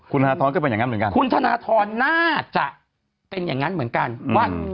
คุณธนทรก็เป็นอย่างนั้นเหมือนกันคุณธนทรน่าจะเป็นอย่างนั้นเหมือนกันว่า